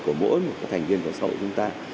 của mỗi một thành viên của xã hội chúng ta